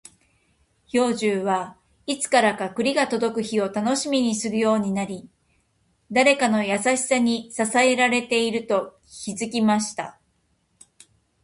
兵十は、いつからか栗が届く日を楽しみにするようになり、誰かの優しさに支えられていると気づきました。